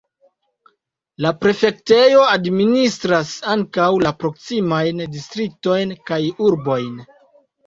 La prefektejo administras ankaŭ la proksimajn distriktojn kaj urbojn.